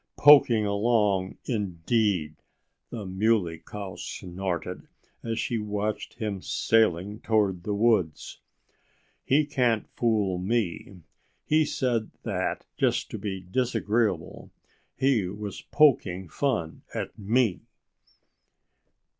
"Poking along, indeed!" the Muley Cow snorted as she watched him sailing toward the woods. "He can't fool me. He said that just to be disagreeable. He was poking fun at me!"